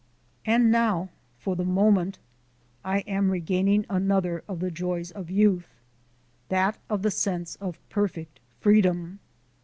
And now, for the moment, I am regaining another of the joys of youth that of the sense of perfect freedom.